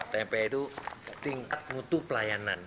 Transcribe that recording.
tmp itu tingkat mutu pelayanan